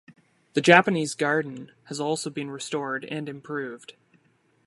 The Japanese garden has also been restored and improved.